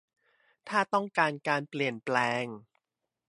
ถ้าต้องการเปลี่ยนแปลง